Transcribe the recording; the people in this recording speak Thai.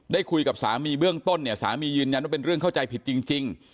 คุยกับสามีเบื้องต้นเนี่ยสามียืนยันว่าเป็นเรื่องเข้าใจผิดจริง